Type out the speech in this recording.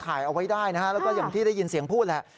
ถ่ายเอาไว้ได้นะฮะแล้วก็อย่างที่ได้ยินเสียงพูดแหละ